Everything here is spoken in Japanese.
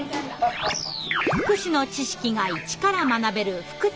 福祉の知識が一から学べる「フクチッチ」。